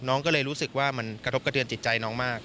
น้องก็เลยรู้สึกว่ามันกระทบกระเทือนจิตใจน้องมาก